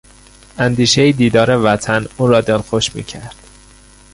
اندیشهی دیدار وطن او را دلخوش میکرد.